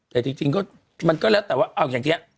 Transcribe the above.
แต่จริงก็มันก็แล้วแต่ว่าเอาอย่างนี้